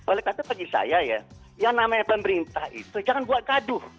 oleh karena itu bagi saya ya yang namanya pemerintah itu jangan buat gaduh